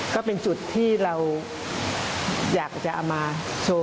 ก็เป็นจุดที่เราอยากจะเอามาโชว์